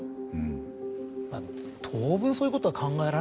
当分そういうことは考えられないですよ。